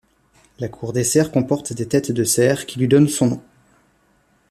La cour des Cerfs comportent des têtes de cerfs, qui lui donnent son nom.